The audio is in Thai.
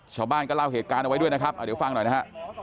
ชาวบ้านก็เล่าเหตุการณ์เอาไว้ด้วยนะครับเดี๋ยวฟังหน่อยนะฮะ